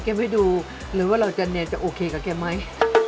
แกไม่ดูหรือว่าเราจะโอเคกับแกไหม